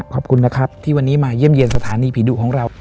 ขอบคุณนะครับที่วันนี้มาเยี่ยมเยี่ยมสถานีผีดุของเรา